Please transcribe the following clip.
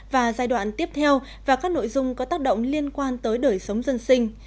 và giai đoạn tiếp theo và các nội dung có tác động liên quan tới đời sống dân sinh